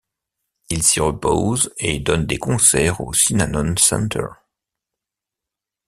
Il s'y repose et donne des concerts au Synanon Center.